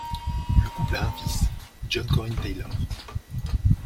Le couple a un fils, John Corin Taylor.